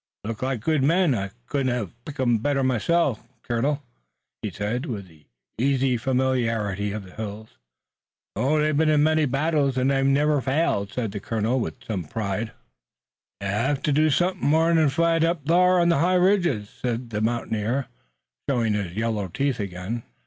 "Look like good men. I couldn't hev picked 'em better myself, colonel," he said, with the easy familiarity of the hills. "They've been in many battles, and they've never failed," said the colonel with some pride. "You'll hev to do somethin' more than fight up thar on the high ridges," said the mountaineer, showing his yellow teeth again.